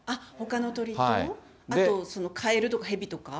あとカエルとかヘビとか？